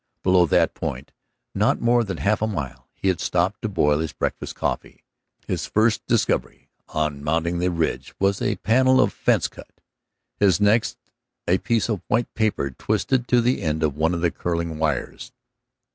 Below that point, not more than half a mile, he had stopped to boil his breakfast coffee. His first discovery on mounting the ridge was a panel of fence cut, his next a piece of white paper twisted to the end of one of the curling wires.